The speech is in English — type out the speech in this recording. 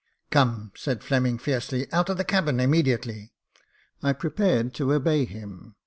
"Come," said Fleming fiercely; *' Out of the cabin immediately." I prepared to obey him.